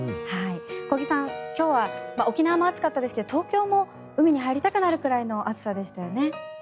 小木さん、今日は沖縄も暑かったですけど東京も海に入りたくなるくらいの暑さでしたよね。